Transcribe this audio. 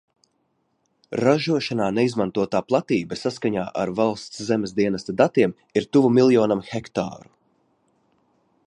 Ražošanā neizmantotā platība, saskaņā ar Valsts zemes dienesta datiem, ir tuvu miljonam hektāru.